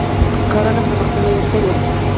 کرنه پرمختللې شوې.